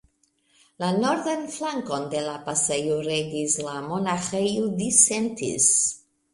La nordan flankon de la pasejo regis la Monaĥejo Disentis.